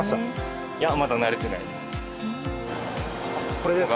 これですか？